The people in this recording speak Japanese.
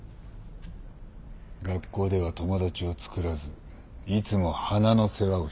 学校では友達をつくらずいつも花の世話をしていた。